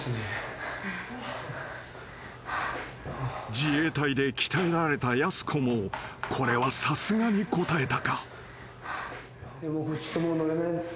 ［自衛隊で鍛えられたやす子もこれはさすがにこたえたか？］